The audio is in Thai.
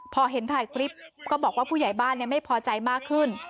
พอเห็นถ่ายคลิปก็บอกว่าผู้ใหญ่บ้านไม่พอใจมากขึ้น